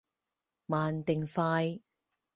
慢定快？